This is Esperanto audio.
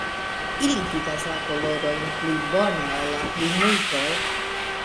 Ili vidas la kolorojn pli bone ol la plimulto.